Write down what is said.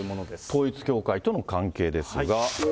統一教会との関係ですが。